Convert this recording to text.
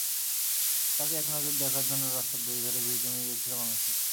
তাঁকে একনজর দেখার জন্য রাস্তার দুই ধারে ভিড় জমে গিয়েছিল মানুষের।